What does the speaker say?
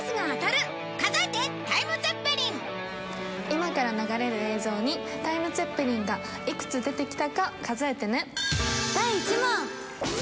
今から流れる映像にタイムツェッペリンがいくつ出てきたか数えてね。